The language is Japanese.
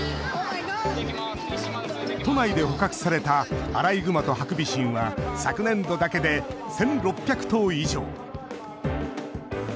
都内で捕獲されたアライグマとハクビシンは昨年度だけで１６００頭以上。